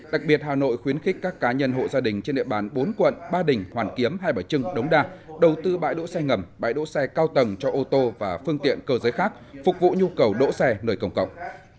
đặc biệt hà nội khuyến khích các cá nhân hộ gia đình trên địa bàn bốn quận ba đình hoàn kiếm hai bà trưng đống đa đầu tư bãi đỗ xe ngầm bãi đỗ xe cao tầng cho ô tô và phương tiện cơ giới khác phục vụ nhu cầu đỗ xe nơi công cộng